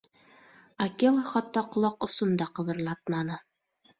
Акела хатта ҡолаҡ осон да ҡыбырлатманы.